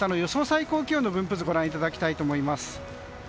最高気温の分布図ご覧いただきたいと思います。